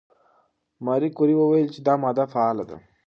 ماري کوري وویل چې دا ماده فعاله ده.